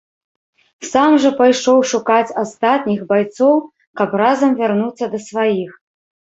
Сам жа пайшоў шукаць астатніх байцоў, каб разам вярнуцца да сваіх.